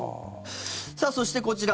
さあ、そしてこちら。